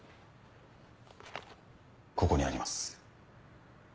ここにあります。